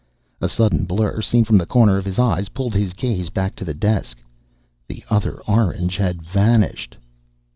A sudden blur seen from the corner of his eyes pulled his gaze back to the desk. The other orange had vanished.